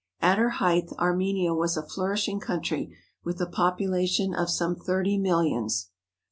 At her height Armenia was a flourishing country with a population of some thirty millions.